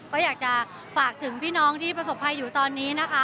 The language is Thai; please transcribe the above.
ก็อยากจะฝากถึงพี่น้องที่ประสบภัยอยู่ตอนนี้นะคะ